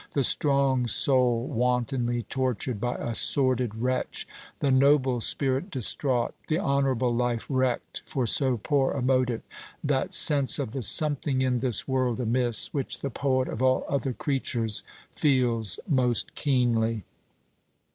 The strong soul wantonly tortured by a sordid wretch; the noble spirit distraught, the honourable life wrecked for so poor a motive; that sense of the "something in this world amiss," which the poet, of all other creatures, feels most keenly.